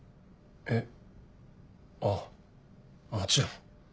えああもちろん。